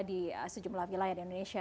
di sejumlah wilayah di indonesia